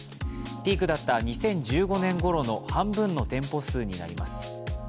ピークだった２０１５年ごろの半分の店舗数になります。